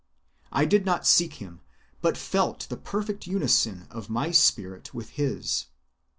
I did not seek Him, but felt the perfect unison of my spirit with His.